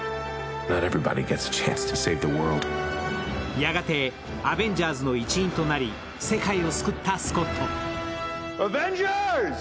やがてアベンジャーズの一員となり、世界を救ったスコット。